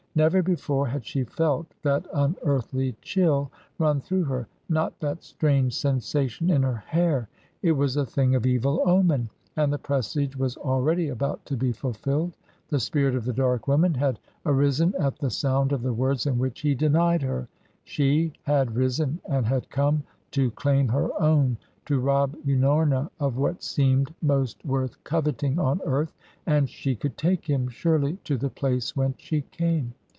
Never before had she felt that unearthly chill run through her, nor that strange sensation in her hair. It was a thing of evil omen, and the presage was already about to be fulfilled. The spirit of the dark woman had arisen at the sound of the words in which he denied her; she had risen and had come to claim her own, to rob Unorna of what seemed most worth coveting on earth and she could take him, surely, to the place whence she came.